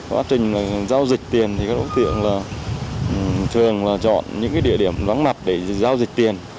quá trình là giao dịch tiền thì các đối tượng là thường là chọn những cái địa điểm vắng mặt để giao dịch tiền